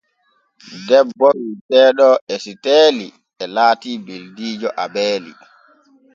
Debbo wi’eteeɗo Esiteeli e laati beldiijo Abeeli.